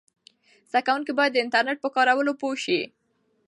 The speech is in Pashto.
زده کوونکي باید د انټرنیټ په کارولو پوه سي.